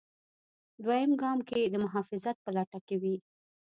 دویم ګام کې د محافظت په لټه کې وي.